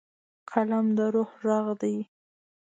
قلم د روح غږ دی.